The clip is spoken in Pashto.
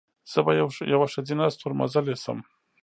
زه به یوه ښځینه ستورمزلې شم."